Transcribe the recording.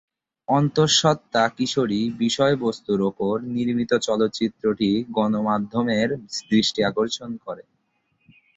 অন্তঃসত্ত্বা কিশোরী বিষয়বস্তুর উপর নির্মিত চলচ্চিত্রটি গণমাধ্যমের দৃষ্টি আকর্ষণ করে।